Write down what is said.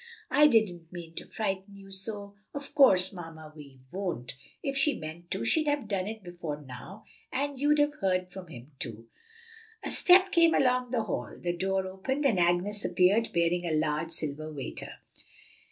"I didn't mean to frighten you so. Of course, Mamma Vi won't; if she meant to she'd have done it before now, and you'd have heard from him, too." A step came along the hall, the door opened, and Agnes appeared bearing a large silver waiter.